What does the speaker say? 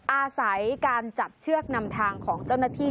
อาศัยการจัดเชือกนำทางของเจ้าหน้าที่